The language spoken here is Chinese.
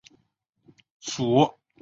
属邕州羁縻。